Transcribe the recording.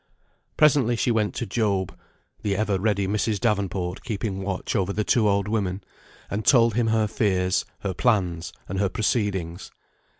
Presently she went to Job (the ever ready Mrs. Davenport keeping watch over the two old women), and told him her fears, her plans, and her proceedings.